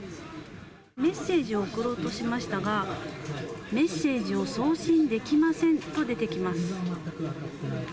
メッセージを送ろうとしましたがメッセージを送信できませんと出てきます。